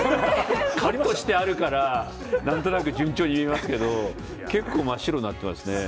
カットしてあるから、なんとなく順調に見えますけど、結構真っ白になってますね。